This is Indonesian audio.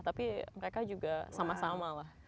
tapi mereka juga sama sama lah